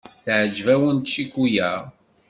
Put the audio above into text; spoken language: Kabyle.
Teɛjeb-awent ccikula.